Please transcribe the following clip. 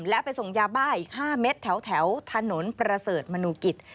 และไปส่งยาบ้าอีก๕เม็ดแถวถนนประเสริฐมนุกิจ